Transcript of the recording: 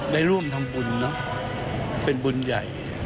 ได้ร่วมทำบุญเนอะเป็นบุญใหญ่